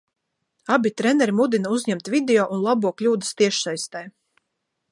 Abi treneri mudina uzņemt video un labo kļūdas tiešsaistē.